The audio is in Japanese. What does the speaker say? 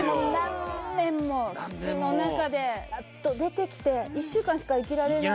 何年も土の中でやっと出てきて１週間しか生きられない